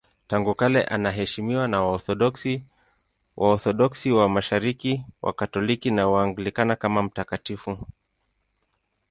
Tangu kale anaheshimiwa na Waorthodoksi, Waorthodoksi wa Mashariki, Wakatoliki na Waanglikana kama mtakatifu.